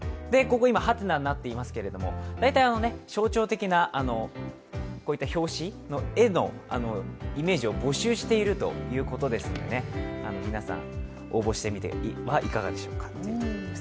今、はてなになっていますけれども大体、象徴的な表紙の絵のイメージを募集しているということですので、皆さん応募してみてはいかがでしょうか。